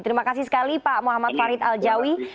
terima kasih sekali pak muhammad farid aljawi